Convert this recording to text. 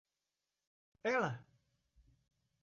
Ela!